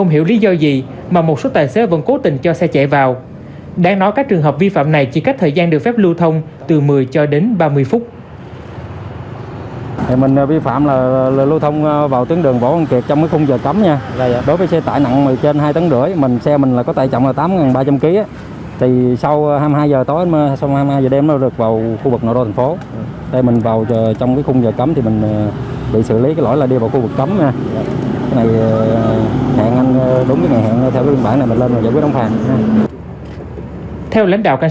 xử lý nghiêm các trường hợp vi phạm ghi nhận của phóng viên intv tại thành phố hạ long